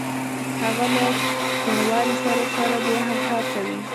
هغه له کوڼوالي سره سره بیا هم کار کوي